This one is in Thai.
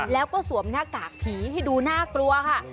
แล้วก็สวมหน้ากากผีให้ดูน่ากลัวค่ะ